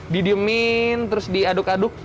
didiemin terus diaduk aduk